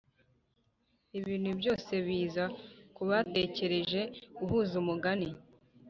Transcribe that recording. ibintu byose biza kubategereje guhuza umugani